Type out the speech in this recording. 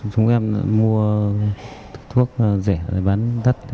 chúng em mua thuốc rẻ để bán đất